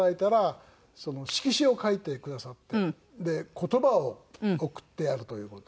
言葉を贈ってやるという事で。